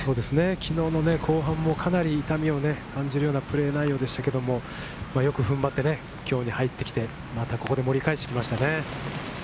昨日の後半もかなり痛みを感じるようなプレーでしたけど、よく踏ん張ってね、今日に入ってきて、ここで盛り返してきましたね。